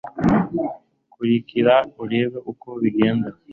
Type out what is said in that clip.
kurikira urebe uko bigenda